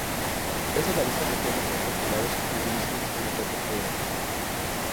Esta es la lista de juegos más populares que utilizan este motor de juego